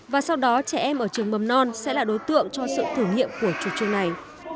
và sau đó trẻ em ở trường mầm non sẽ là đối tượng cho sự thử nghiệm của chủ trương này